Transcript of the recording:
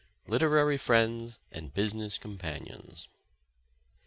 LITERARY FRIENDS AND BUSINESS COMPANIONS.